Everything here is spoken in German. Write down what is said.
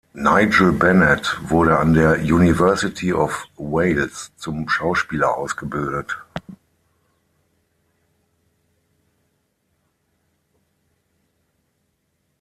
Nigel Bennett wurde an der University of Wales zum Schauspieler ausgebildet.